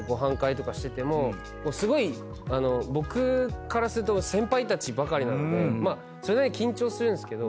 すごい僕からすると先輩たちばかりなのでそれなりに緊張するんですけど。